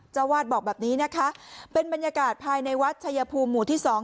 เจ้าวาดบอกแบบนี้นะคะเป็นบรรยากาศภายในวัดชายภูมิหมู่ที่สอง